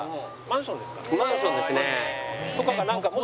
マンションですね。